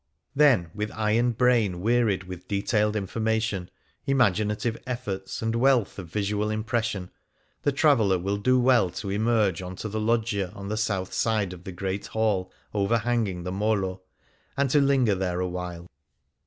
Then, with eye and brain wearied with detailed information, imaginative efforts and wealth of visual impression, the traveller will do well to emerge on to the loggia on the south side of the Great Hall, overhanging the Molo, and to linger there awhile.